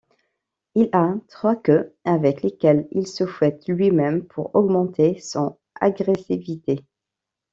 Il a trois queues avec lesquelles il se fouette lui-même pour augmenter son agressivité.